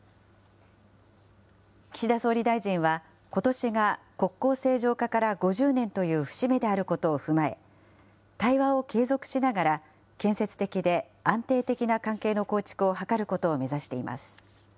岸田総理大臣は、ことしが国交正常化から５０年という節目であることを踏まえ、対話を継続しながら、建設的で安定的な関係の構築を図ることを目指しています。